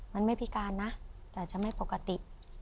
มันไม่พิการนะแต่จะไม่ปกติ